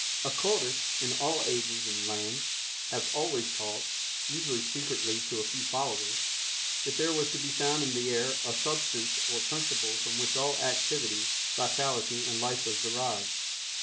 Occultists, in all ages and lands, have always taught, usually secretly to a few followers, that there was to be found in the air a substance or principle from which all activity, vitality and life was derived.